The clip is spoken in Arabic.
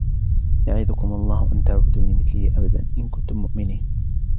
يَعِظُكُمُ اللَّهُ أَنْ تَعُودُوا لِمِثْلِهِ أَبَدًا إِنْ كُنْتُمْ مُؤْمِنِينَ